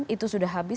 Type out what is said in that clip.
itu sudah habis